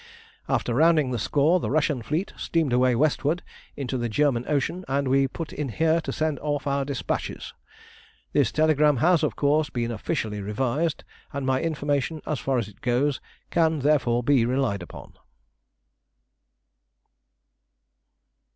After rounding the Skawe, the Russian fleet steamed away westward into the German Ocean, and we put in here to send off our despatches. This telegram has, of course, been officially revised, and my information, as far as it goes, can therefore be relied upon.